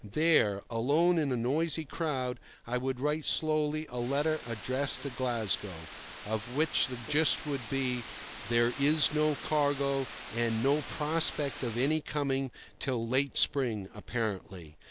There, alone in a noisy crowd, I would write slowly a letter addressed to Glasgow, of which the gist would be: There is no cargo, and no prospect of any coming till late spring apparently.